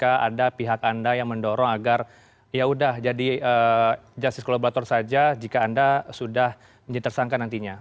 ada pihak anda yang mendorong agar yaudah jadi justice collaborator saja jika anda sudah menjadi tersangka nantinya